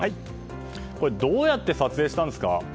どうやって撮影したんですか。